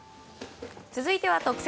続いては特選！